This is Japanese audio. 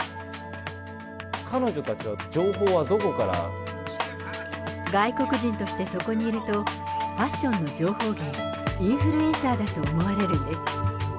彼女たちは、外国人としてそこにいると、ファッションの情報源、インフルエンサーだと思われるんです。